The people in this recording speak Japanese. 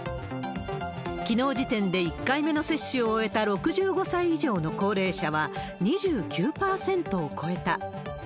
きのう時点で１回目の接種を終えた６５歳以上の高齢者は、２９％を超えた。